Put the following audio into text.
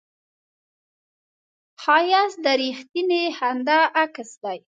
ښایست د رښتینې خندا عکس دی